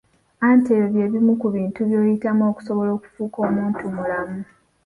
Anti ebyo bye bimu ku bintu by'oyitamu okusobala okufuuka omuntu mulamu.